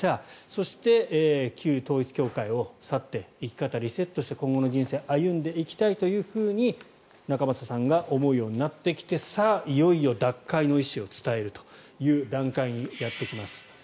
そして旧統一教会を去って生き方をリセットして今後の人生を歩んでいきたいと仲正さんが思うようになってきてさあ、いよいよ脱会の意思を伝えるという段階になってきます。